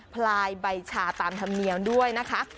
พลายใบชาตามธรรมเนียมด้วยนะคะ